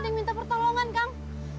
ada yang minta pertolongan kang